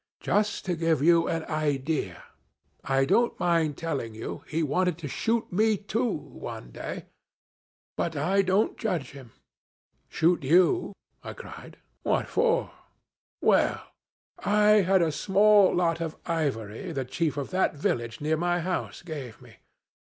Now just to give you an idea I don't mind telling you, he wanted to shoot me too one day but I don't judge him.' 'Shoot you!' I cried. 'What for?' 'Well, I had a small lot of ivory the chief of that village near my house gave me.